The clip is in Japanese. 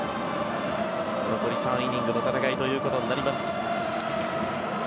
残り３イニングの戦いということになります。